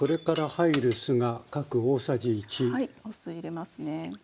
お酢入れますね。